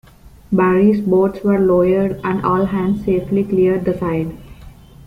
"Barry"s boats were lowered and all hands safely cleared the side.